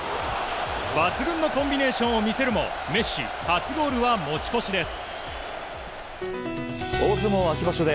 抜群のコンビネーションを見せるもメッシ、初ゴールは持ち越しです。